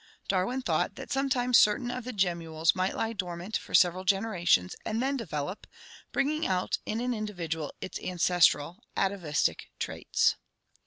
Darwin thought that sometimes certain of the gemmules might lie dormant for several generations and then develop, bringing out in an individual its ancestral (atavistic) traits.